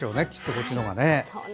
こっちの方が。